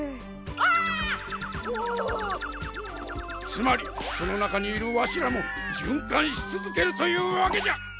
つまりその中にいるワシらも循環し続けるというわけじゃ。